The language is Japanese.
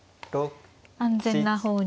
安全な方に。